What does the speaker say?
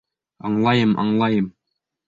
Аңлайым, аңлайым!